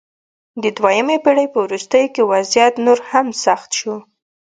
د دویمې پېړۍ په وروستیو کې وضعیت نور هم سخت شو